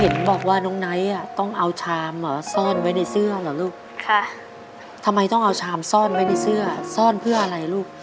ทำไมต้องเอาชามซ่อนไว้ในเสื้อซ่อนเพื่ออะไรลูก